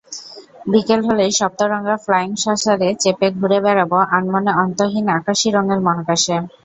বিকেল হলেই সপ্তরঙা ফ্লাইং-সসারে চেপে ঘুরে বেড়াব আনমনে অন্তহীন আকাশি রঙের মহাকাশে।